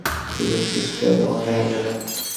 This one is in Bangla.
সেটা করতে পারলে যদি জয়ের সুযোগ সৃষ্টি হয়, তখন দেখা যাবে।